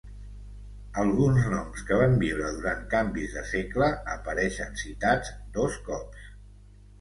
Alguns noms que van viure durant canvis de segle apareixen citats dos cops.